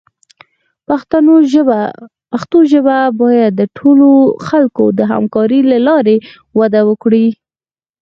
پښتو ژبه باید د ټولو خلکو د همکارۍ له لارې وده وکړي.